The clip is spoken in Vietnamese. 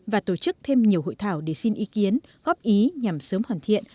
và tổ chức thêm nhiều hội thảo để xin ý kiến góp ý nhằm sớm hoàn thiện